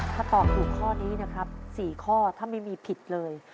ถ้าตอบถูกข้อนี้นะครับ๔ข้อถ้าไม่มีผิดเลย